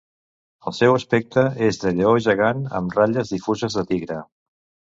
El seu aspecte és de lleó gegant amb ratlles difuses de tigre.